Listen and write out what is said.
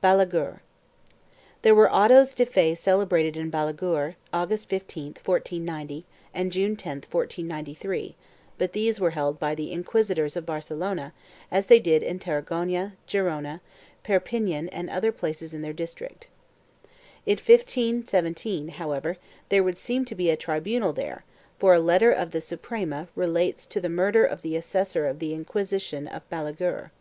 5 BALAGUER. There were autos de fe celebrated in Balaguer, August 15, 1490 and June 10, 1493, but these were held by the inquisitors of Barcelona as they did in Tarragona, Gerona, Perpignan and other places in their district. In 1517, however, there would seem to be a tribunal there for a letter of the Suprema relates to the murder of the assessor of the Inquisition of Balaguer.